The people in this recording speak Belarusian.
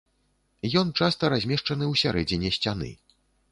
Ён часта размешчаны ў сярэдзіне сцяны.